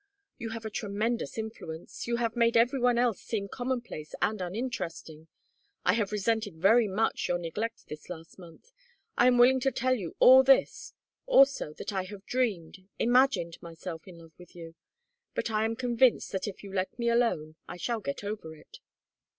You have a tremendous influence you have made every one else seem commonplace and uninteresting I have resented very much your neglect this last month. I am willing to tell you all this also, that I have dreamed, imagined myself in love with you. But I am convinced that if you let me alone I shall get over it."